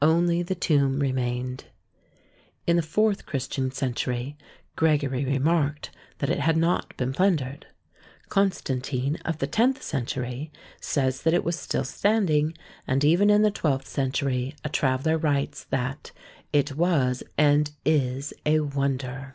Only the tomb remained. In the fourth Christian century Gregory remarked that it had not been plundered. Constantine of the tenth century says that it was still standing, and even in the twelfth century a traveller writes that 'It was and is a wonder."